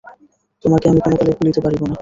তোমাকে আমি কোনোকালে ভুলিতে পারিব না।